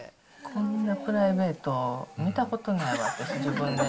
こんなプライベート、見たことないわ、私自分で。